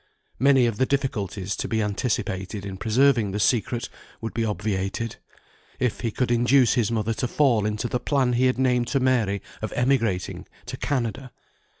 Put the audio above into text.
Many of the difficulties to be anticipated in preserving the secret would be obviated, if he could induce his mother to fall into the plan he had named to Mary of emigrating to Canada.